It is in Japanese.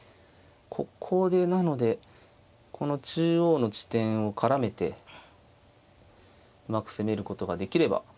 ここでなのでこの中央の地点を絡めてうまく攻めることができれば。